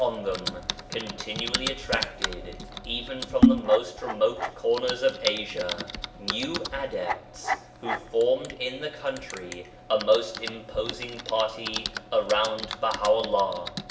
BAGHDAD 61 on them, continually attracted, even from the most remote corners of Asia, new adepts, who formed, in the country, a most imposing party around Baha'u'llah.